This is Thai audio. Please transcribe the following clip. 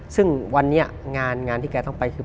ซึ่งวันนี้งานที่แกต้องไปคือ